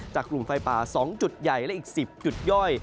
กลุ่มไฟป่า๒จุดใหญ่และอีก๑๐จุดย่อย